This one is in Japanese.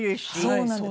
そうなんです。